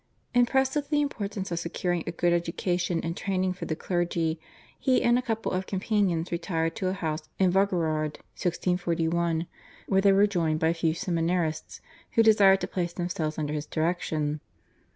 Impressed with the importance of securing a good education and training for the clergy, he and a couple of companions retired to a house in Vaugirard (1641), where they were joined by a few seminarists, who desired to place themselves under his direction.